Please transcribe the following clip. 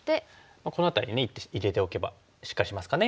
この辺りに一手入れておけばしっかりしますかね。